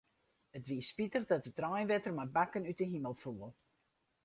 It wie spitich dat it reinwetter mei bakken út 'e himel foel.